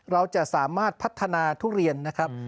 เราจะสามารถพัฒนาทุเรียนนะครับ